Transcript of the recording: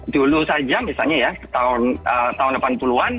dulu saja misalnya ya tahun delapan puluh an